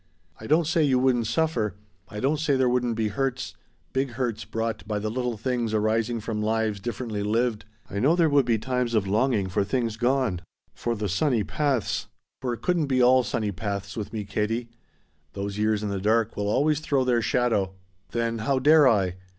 "I don't say you wouldn't suffer. I don't say there wouldn't be hurts, big hurts brought by the little things arising from lives differently lived. I know there would be times of longing for things gone. For the sunny paths. For it couldn't be all sunny paths with me, Katie. Those years in the dark will always throw their shadow. "Then, how dare I?